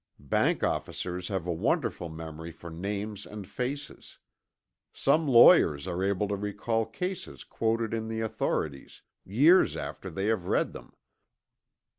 Bank officers have a wonderful memory for names and faces. Some lawyers are able to recall cases quoted in the authorities, years after they have read them.